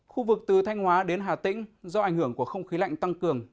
khu vực từ thanh hóa đến hà tĩnh do ảnh hưởng của không khí lạnh tăng cường